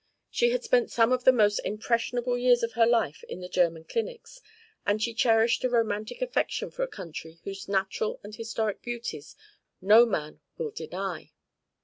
She had spent some of the most impressionable years of her life in the German clinics, and she cherished a romantic affection for a country whose natural and historic beauties no man will deny.